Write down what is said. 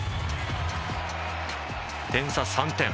点差３点。